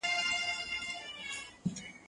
زه مړۍ خوړلي ده